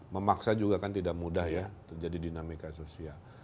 memaksa juga kan tidak mudah ya terjadi dinamika sosial